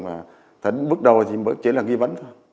đối tượng mà thần bước đầu thì mới chỉ là nghi vấn thôi